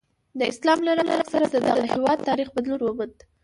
د اسلام له راتګ سره د دغه هېواد تاریخ بدلون وموند.